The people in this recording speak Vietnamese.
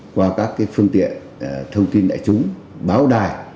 qua các phương tiện thông tin đại chúng báo đài